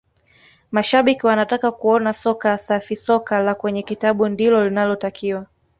mashabiki wanataka kuona soka safisoka la kwenye kitabu ndilo linalotakiwa